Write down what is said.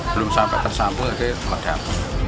belum sampai tersampung lagi meledak